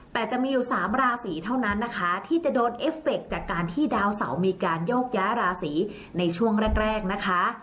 แต่จะมีอยู่๓ราศีเท่านั้นนะคะที่จะโดนเอฟเฟคจากการที่ดาวเสามีการโยกย้ายราศีในช่วงแรกแรกนะคะ